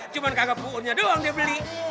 cuman kagak puurnya doang dia beli